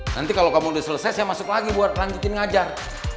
nanti kalau kamu udah selesai saya masuk lagi buat lanjutin ngajar